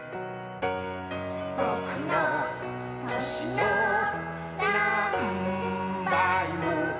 「ぼくのとしのなんばいも」